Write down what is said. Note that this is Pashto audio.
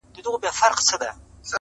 او ذهنونه بوخت ساتي ډېر ژر,